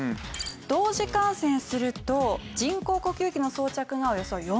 同時感染すると人工呼吸器の装着がおよそ４倍。